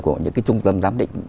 của những cái trung tâm giám định